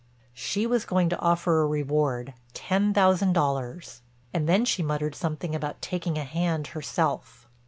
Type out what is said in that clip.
She was going to offer a reward, ten thousand dollars—and then she muttered something about "taking a hand herself."